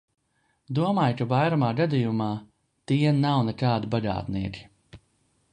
Domāju, ka vairumā gadījumā tie nav nekādi bagātnieki.